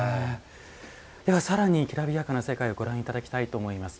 さらに、きらびやかな世界ご覧いただきたいと思います。